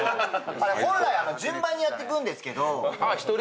本来、順番にやっていくんですけど。